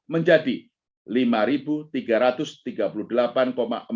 menjadi rp lima tiga puluh tiga triliun